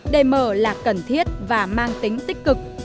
đề mở là cần thiết và mang tính tích cực